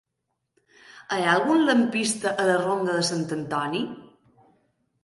Hi ha algun lampista a la ronda de Sant Antoni?